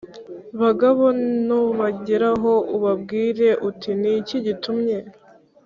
bagabo nubageraho ubabwire uti Ni iki gitumye